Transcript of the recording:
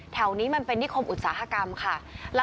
แถวนี้มันเป็นนิคมอุตสาหกรรมค่ะ